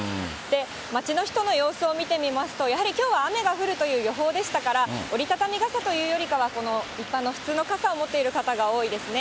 街の人の様子を見てみますと、やはりきょうは雨が降るという予報でしたから、折り畳み傘というよりかは、一般の普通の傘を持ってる方が多いですね。